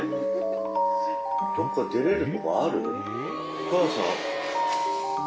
お母さん。